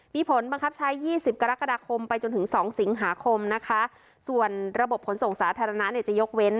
มีผลบังคับใช้ยี่สิบกรกฎาคมไปจนถึงสองสิงหาคมนะคะส่วนระบบขนส่งสาธารณะเนี่ยจะยกเว้น